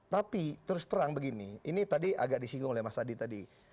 tapi terus terang begini ini tadi agak disinggung oleh mas adi tadi